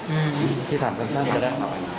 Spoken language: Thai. พี่ถามกันซักที